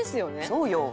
「そうよ」